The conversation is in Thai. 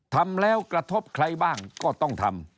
ทำแล้วกระทบใครบ้างก็ต้องทำ